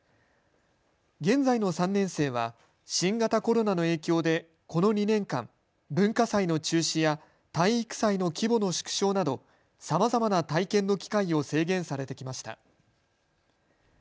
現在の３年生は新型コロナの影響でこの２年間文化祭の中止や体育祭の規模の縮小などさまざまな体験の機会を制限されてきました。